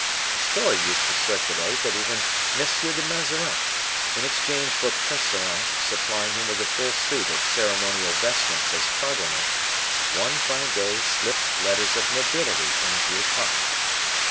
A story used to circulate that even M. de Mazarin, in exchange for Percerin supplying him with a full suit of ceremonial vestments as cardinal, one fine day slipped letters of nobility into his pocket.